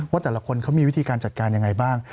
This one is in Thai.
ว่าแต่ละคนเขามีวิธีการจัดการยังไงบ้าง